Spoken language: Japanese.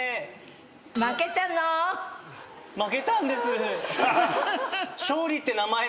負けたんです。